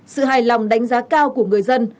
sự hài lòng đánh giá cao của người dân